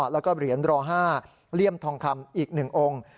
แล้วก็เหรียญรอ๕เลี่ยมทองคำอีก๑องค์